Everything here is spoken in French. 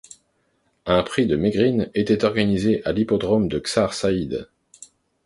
Un Prix de Mégrine était organisé à l'hippodrome de Ksar Saïd.